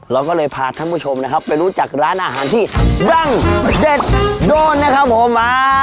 เราก็เลยพาท่านผู้ชมนะครับไปรู้จักร้านอาหารที่ดังเด็ดโดนนะครับผม